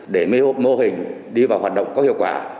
để mê hộp mô hình đi vào hoạt động có hiệu quả